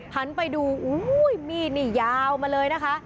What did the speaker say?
หันไปดูอุ้ยมีดนี่ยาวมาเลยนะคะ